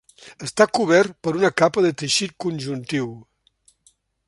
Està cobert per una capa de teixit conjuntiu.